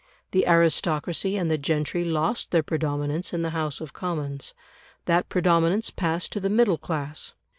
The aristocracy and the gentry lost their predominance in the House of Commons; that predominance passed to the middle class.